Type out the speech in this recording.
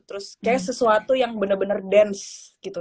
terus kayaknya sesuatu yang bener bener dense gitu